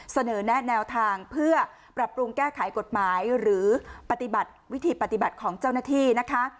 เสนอแนะแนวทางเพื่อปรับปรุงแก้ไขกฎหมายหรือปฏิบัติวิธีปฏิบัติของเจ้าหน้าที่นะคะ